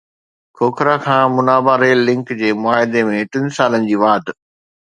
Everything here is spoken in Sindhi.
کوکھرا کان منا-با ريل لنڪ جي معاهدي ۾ ٽن سالن جي واڌ